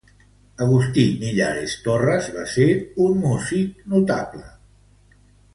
Agustín Millares Torres va ser un músic notable.